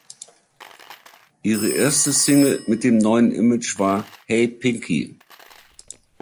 Ihre erste Single mit dem neuen Image war "Hey Pinky".